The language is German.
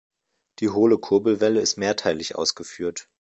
Die hohle Kurbelwelle ist mehrteilig ausgeführt.